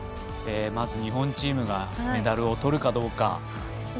日本チームがメダルをとるかどうか。